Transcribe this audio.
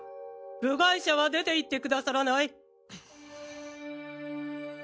部外者は出て行ってくださらない？